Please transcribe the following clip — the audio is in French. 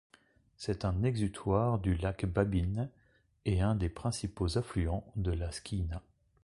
C'est un exutoire du lac Babine et un des principaux affluents de la Skeena.